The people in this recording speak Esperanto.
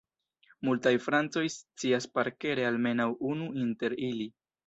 Multaj francoj scias parkere almenaŭ unu inter ili.